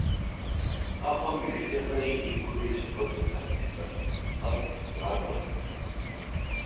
Ахъом и жылэхэри икури зэхуэдэу тхьэмбылыфэщ, ӏэфӏщ, гуакӏуэщ.